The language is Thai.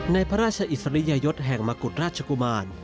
ในพระราชอิสริยยศแห่งมกุฎราชกุมาร